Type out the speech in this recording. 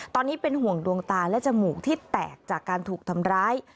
ตอนนี้เป็นห่วงดวงตาและจมูกที่แตกจากการถูกทำร้าย